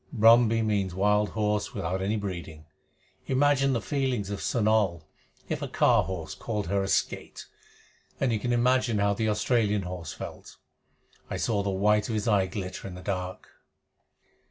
Brumby means wild horse without any breeding. Imagine the feelings of Sunol if a car horse called her a "skate," and you can imagine how the Australian horse felt. I saw the white of his eye glitter in the dark.